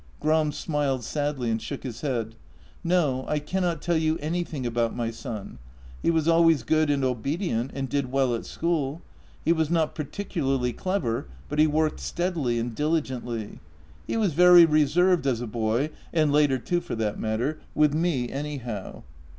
Gram smiled sadly and shook his head: "No; I cannot tell you anything about my son. He was always good and obedient, and did well at school. He was not particularly clever, but he worked steadily and diligently. He was very reserved as a boy — and later, too, for that matter — with me, anyhow.